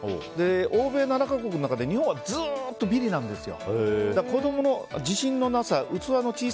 欧米７か国の中で日本はずっとビリなんですよ。